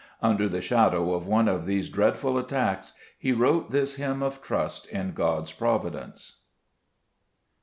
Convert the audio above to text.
Under the shadow of one of these dreadful attacks he wrote this hymn of trust in God's providence.